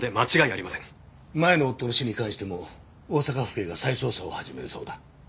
前の夫の死に関しても大阪府警が再捜査を始めるそうだ。